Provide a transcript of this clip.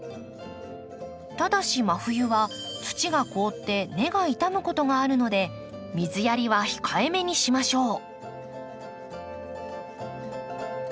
ただし真冬は土が凍って根が傷むことがあるので水やりは控えめにしましょう。